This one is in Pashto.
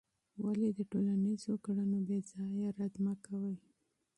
ولې د ټولنیزو کړنو بېځایه رد مه کوې؟